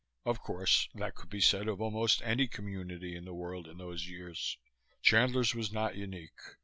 Of course, that could be said of almost any community in the world in those years; Chandler's was not unique.